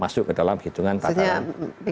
masuk ke dalam hitungan pasangan pembangunan